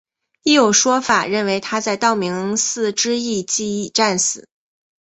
亦有说法认为他在道明寺之役即已战死。